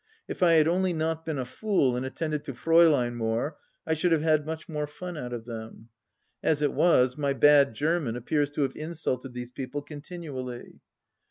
If I had only not been a fool and attended to Fraulein more I should have had much more fun out of them. As it was, my bad German appears to have insulted these people continually.